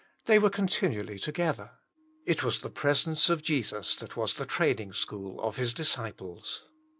They were continually together. It was the presence of Jesus that was the training school of His disciples.